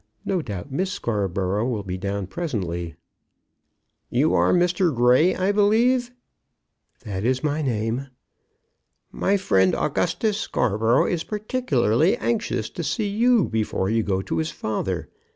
No doubt Miss Scarborough will be down presently." "You are Mr. Grey, I believe?" "That is my name." "My friend, Augustus Scarborough, is particularly anxious to see you before you go to his father.